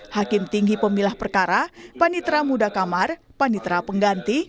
hakim tinggi pemilah perkara panitra muda kamar panitera pengganti